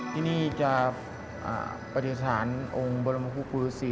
ที่นี่จะประเทศฐานองค์บรมคุพุรุศี